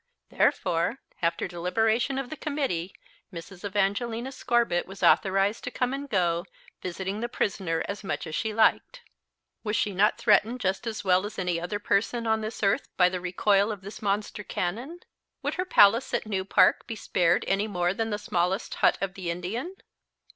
Therefore, after deliberation of the Committee, Mrs. Evangelina Scorbitt was authorized to come and go, visiting the prisoner as much as she liked. Was she not threatened just as well as any other person on this earth by the recoil of this monster cannon? Would her palace at New Park be spared any more than the smallest hut of the Indian?